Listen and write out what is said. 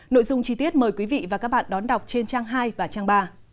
nội dung chi tiết mời quý vị và các bạn đón đọc trên trang hai và trang ba